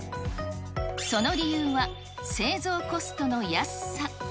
その理由は、製造コストの安さ。